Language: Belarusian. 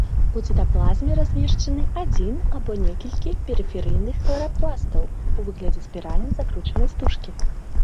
У цытаплазме размешчаны адзін або некалькі перыферыйных хларапластаў у выглядзе спіральна закручанай стужкі.